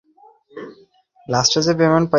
হাওয়া আমাদের অনুকূলেই আছে।